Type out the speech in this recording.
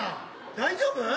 大丈夫？